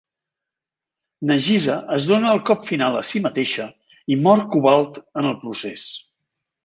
Nagisa es dóna el cop final a si mateixa i mor Cobalt en el procés.